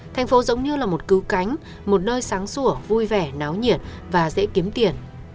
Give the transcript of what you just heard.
thành phố giống như là một cứu cánh một nơi sáng sủa vui vẻ náo nhiệt và dễ kiếm tiền